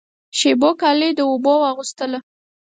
شېبو کالی د اوبو واغوستله